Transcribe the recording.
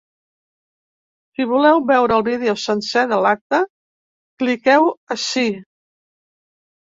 Si voleu veure el vídeo sencer de l’acte cliqueu ací.